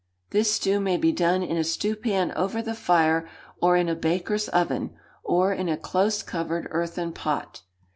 This stew may be done in a stewpan over the fire, or in a baker's oven, or in a close covered earthen pot.